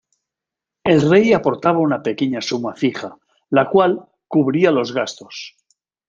El rey aportaba una pequeña suma fija, la cual cubría los gastos.